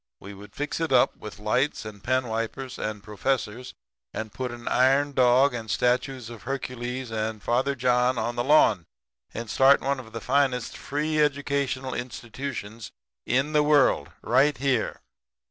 We would fix it up with lights and pen wipers and professors, and put an iron dog and statues of Hercules and Father John on the lawn, and start one of the finest free educational institutions in the world right there.